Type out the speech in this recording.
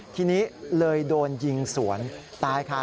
ทีนี้เลยโดนยิงสวนตายค่ะ